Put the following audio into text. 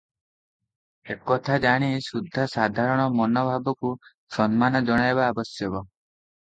ଏକଥା ଜାଣି ସୁଦ୍ଧା ସାଧାରଣ ମନୋଭାବକୁ ସମ୍ମାନ ଜଣାଇବା ଆବଶ୍ଯକ ।